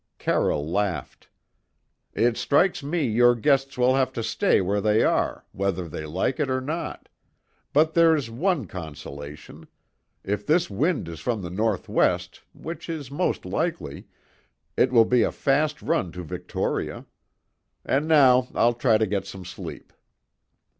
Carroll laughed. "It strikes me your guests will have to stay where they are, whether they like it or not; but there's one consolation if this wind is from the north west, which is most likely, it will be a fast run to Victoria. And now I'll try to get some sleep."